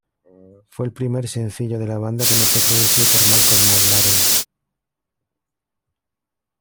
Fue el primer sencillo de la banda que no fue producido por Malcolm McLaren.